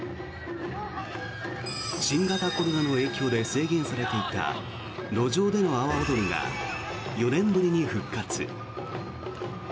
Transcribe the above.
新型コロナの影響で制限されていた路上での阿波おどりが４年ぶりに復活。